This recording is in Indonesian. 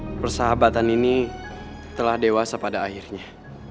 persahabatan ini telah dewasa pada akhirnya